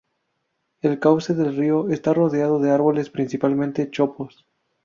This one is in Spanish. El cauce del río está rodeado de árboles, principalmente chopos.